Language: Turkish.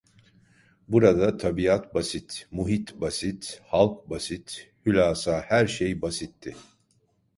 Burada tabiat basit, muhit basit, halk basit, hulasa her şey basitti…